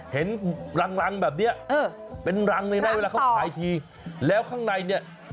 เห็นรังแบบเนี่ยเป็นรังในแม่เวลาเขาถ่ายทีแล้วข้างในเนี่ย